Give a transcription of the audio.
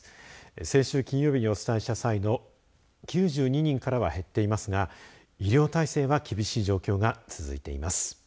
先週金曜日にお伝えした際の９２人からは減っていますが医療体制は厳しい状況が続いています。